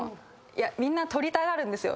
みんな取りたがるんです。